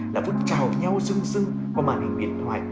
là phút chào nhau dưng dưng qua màn hình điện thoại